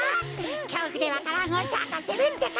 きょうふでわか蘭をさかせるってか。